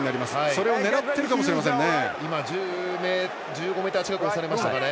それを狙ってるかもしれないですね。